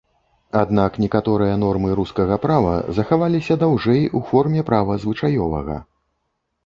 Аднак некаторыя нормы рускага права захаваліся даўжэй у форме права звычаёвага.